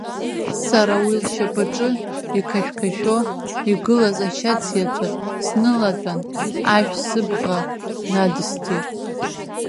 Сара уи лшьапаҿы иқашәқашәо игылаз ашьац иаҵәа снылатәан, ашә сыбӷа надысҵеит.